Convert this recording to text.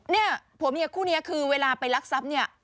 เนี่ยผัวเมียคู่นี้คือเวลาไปรักทรัพย์เนี่ย